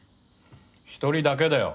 １人だけだよ。